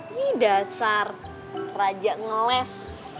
nih dasar raja ngeles